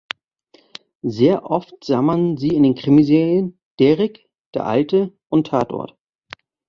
Sehr oft sah man sie in den Krimiserien "Derrick", "Der Alte" und "Tatort".